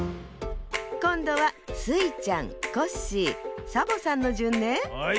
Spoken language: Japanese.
こんどはスイちゃんコッシーサボさんのじゅんね。